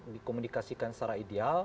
dikomunikasikan secara ideal